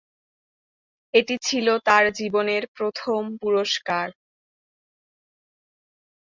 এটি ছিল তার জীবনের প্রথম পুরস্কার।